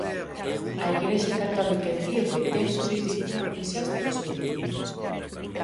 A Igrexa Católica Etíope ten xurisdición eclesiástica sobre Etiopía.